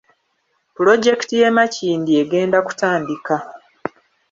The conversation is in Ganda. Pulojekiti y’e Makindye egenda kutandika.